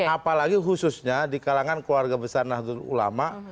apalagi khususnya di kalangan keluarga besar nahdlatul ulama